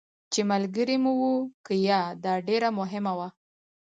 چې ملګري مو وو که یا، دا ډېره مهمه وه.